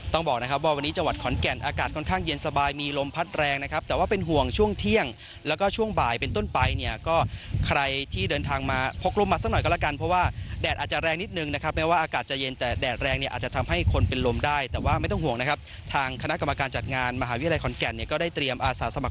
ต้องบอกนะครับว่าวันนี้จังหวัดขอนแก่นอากาศค่อนข้างเย็นสบายมีลมพัดแรงนะครับแต่ว่าเป็นห่วงช่วงเที่ยงแล้วก็ช่วงบ่ายเป็นต้นไปเนี่ยก็ใครที่เดินทางมาพกลมมาสักหน่อยก็ละกันเพราะว่าแดดอาจจะแรงนิดนึงนะครับไม่ว่าอากาศจะเย็นแต่แดดแรงเนี่ยอาจจะทำให้คนเป็นลมได้แต่ว่าไม่ต้องห่วงนะครับ